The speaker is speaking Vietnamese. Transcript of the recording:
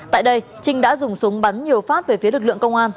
tại đây trinh đã dùng súng bắn nhiều phát về phía lực lượng công an